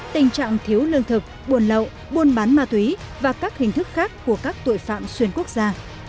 tình trạng thiếu lương thực buồn lậu buôn bán ma túy và các hình thức khác của các tội phạm xuyên quốc gia